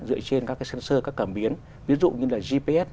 dựa trên các sensor các cảm biến ví dụ như là gps